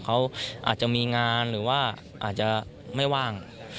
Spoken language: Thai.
เขาอาจจะมีงานหรือว่าอาจจะไม่ว่าง